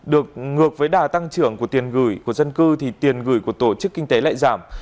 được ngược với đà tăng trưởng của tiền gửi của dân cư thì tiền gửi của tổ chức kinh tế lại giảm